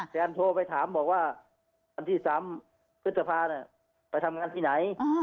แฟนโทรไปถามบอกว่าอันที่สามพฤตภาพน่ะไปทำงานที่ไหนอืม